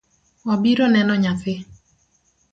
Wabiro neno nyathi.